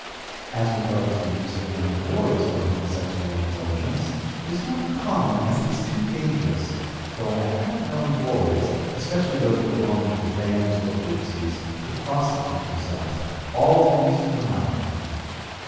As regards the use of young boys for homosexual indulgence, it is not common as it is too dangerous, though I have known boys, especially those belonging to vans or gypsies, to prostitute themselves, always for money.